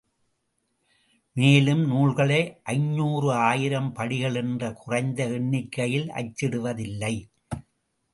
மேலும், நூல்களை ஐந்நூறு ஆயிரம் படிகள் என்ற குறைந்த எண்ணிக்கையில் அச்சிடுவதில்லை.